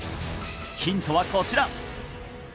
ヒントはこちら！